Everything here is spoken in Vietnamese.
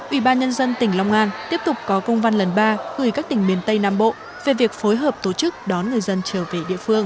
ủy ban nhân dân tỉnh long an tiếp tục có công văn lần ba gửi các tỉnh miền tây nam bộ về việc phối hợp tổ chức đón người dân trở về địa phương